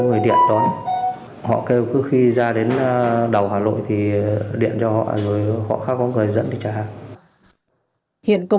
ông muốn kết thúc nó